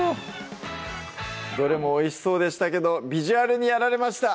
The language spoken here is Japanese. どれもおいしそうでしたけどビジュアルにやられました